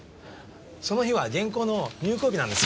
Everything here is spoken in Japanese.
その日は原稿の入稿日なんです。